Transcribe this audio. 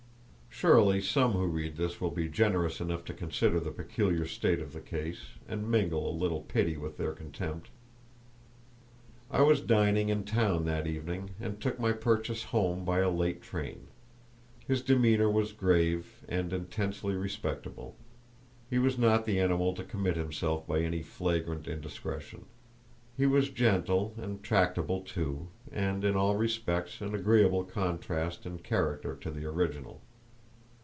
Surely some who read this will be generous enough to consider the peculiar state of the case, and mingle a little pity with their contempt. I was dining in town that evening, and took my purchase home by a late train; his demeanour was grave and intensely respectable; he was not the animal to commit himself by any flagrant indiscretion; he was gentle and tractable too, and in all respects an agreeable contrast in character to the original.